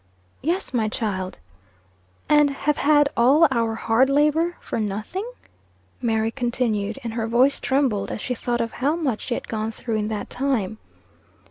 "Yes, my child." "And have had all our hard labor for nothing?" Mary continued, and her voice trembled as she thought of how much she had gone through in that time.